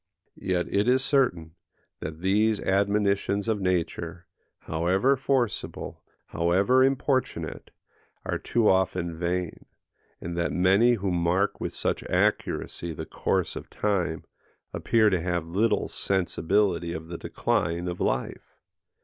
Yet it is certain, that these admonitions of nature, however forcible, however importunate, are too often vain; and that many who mark with such accuracy the course of time, appear to have little sensibility of the decline of life.